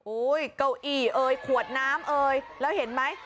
เก้าอี้เอ่ยขวดน้ำเอ่ยแล้วเห็นไหม